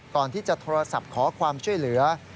ก่อนที่จะโทรศัพท์ขอความช่วยเหลือ